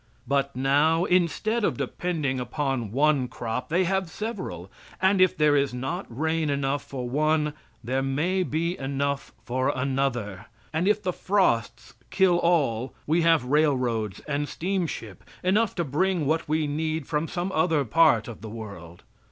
But now, instead of depending upon one crop they have several, and if there is not rain enough for one there may be enough for another. And if the frosts kill all, we have railroads and steamship enough to bring what we need from some other part of the world.